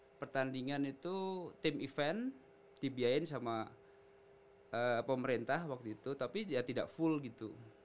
dan pertandingan itu team event di biayain sama pemerintah waktu itu tapi dia tidak full gitu